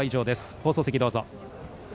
放送席どうぞ。